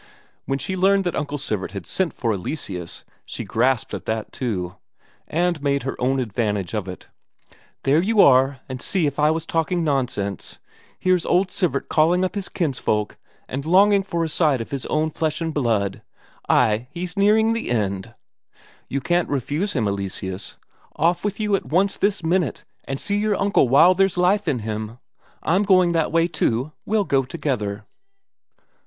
When she learned that Uncle Sivert had sent for Eleseus, she grasped at that too, and made her own advantage of it: "There you are, and see if I was talking nonsense. Here's old Sivert calling up his kinsfolk and longing for a sight of his own flesh and blood; ay, he's nearing his end! You can't refuse him, Eleseus; off with you at once this minute and see your uncle while there's life in him. I'm going that way too, we'll go together."